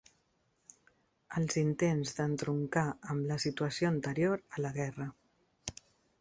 Els intents d'entroncar amb la situació anterior a la guerra.